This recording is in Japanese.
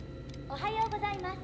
おはようございます。